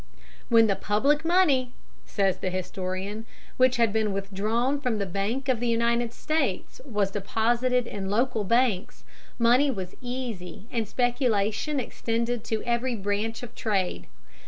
"When the public money," says the historian, "which had been withdrawn from the Bank of the United States was deposited in local banks, money was easy and speculation extended to every branch of trade.